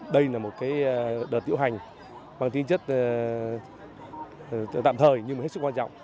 đây là một đợt diễu hành bằng tính chất tạm thời nhưng mà hết sức quan trọng